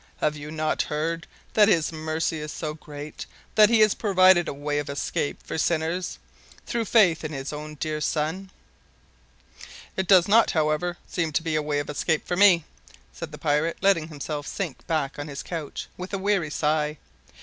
Have you not heard that His mercy is so great that He has provided a way of escape for sinners through faith in His own dear Son?" "It does not, however, seem to be a way of escape for me," said the pirate, letting himself sink back on his couch with a weary sigh.